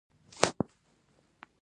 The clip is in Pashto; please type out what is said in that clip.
ایا زه باید په واوره وګرځم؟